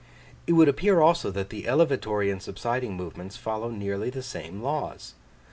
It would appear also, that the elevatory and subsiding movements follow nearly the same laws.